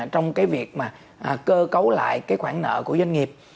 trong cái việc mà cơ cấu lại cái khoản nợ của doanh nghiệp